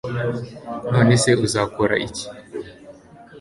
none se uzakora iki